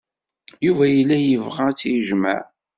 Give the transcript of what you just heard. Yuba yella yebɣa ad tt-yejmeɛ.